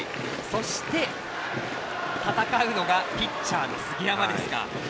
そして戦うのがピッチャーの杉山ですか。